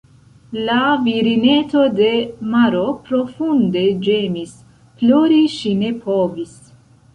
La virineto de maro profunde ĝemis, plori ŝi ne povis.